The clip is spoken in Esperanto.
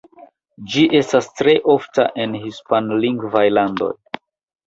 Ĝi estas tre ofta en hispanlingvaj landoj.